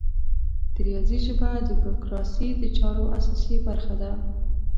د ریاضي ژبه د بروکراسي د چارو اساسي برخه ده.